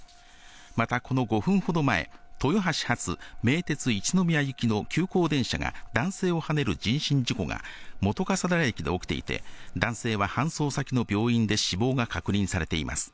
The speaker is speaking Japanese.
また、この５分ほど前、豊橋発名鉄一宮行きの急行電車が男性をはねる人身事故が、本笠寺駅で起きていて、男性は搬送先の病院で死亡が確認されています。